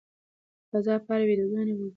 د فضا په اړه ویډیوګانې وګورئ.